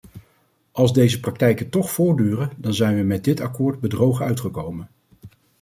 Als deze praktijken toch voortduren, dan zijn we met dit akkoord bedrogen uitgekomen.